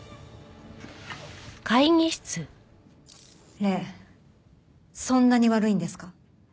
礼そんなに悪いんですか？